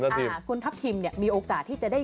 อย่างแรกเลยก็คือการทำบุญเกี่ยวกับเรื่องของพวกการเงินโชคลาภ